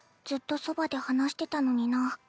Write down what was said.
ずっとそばで話してたのにな。